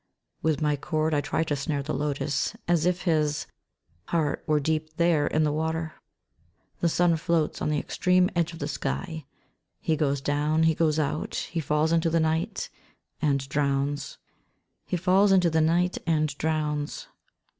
With my cord I try to snare the lotus ; as if his heart were deep there in the water. The sun floats on the extreme edge of the sky, he goes down, he goes out, he falls into the night and drowns. He falls into the night and drowns.